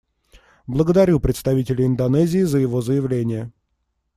Благодарю представителя Индонезии за его заявление.